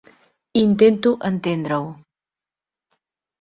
Intento entendre-ho.